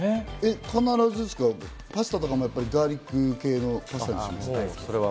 パスタとかもやっぱりガーリック系のパスタにします？